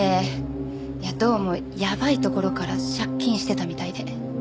どうもやばいところから借金してたみたいで。